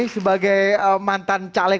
sebagai mantan caleg